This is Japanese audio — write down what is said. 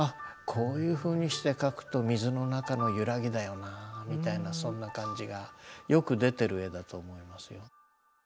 こういうふうにして描くと水の中の揺らぎだよなぁみたいなそんな感じがよく出てる絵だと思いますよ。